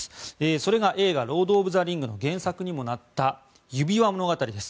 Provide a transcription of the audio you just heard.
それが映画「ロード・オブ・ザ・リング」の原作にもなった「指輪物語」です。